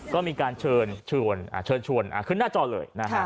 ก็มีการเชิญชวนขึ้นหน้าจอเลยนะฮะ